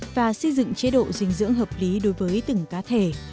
và xây dựng chế độ dinh dưỡng hợp lý đối với từng cá thể